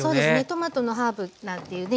トマトのハーブなんていうね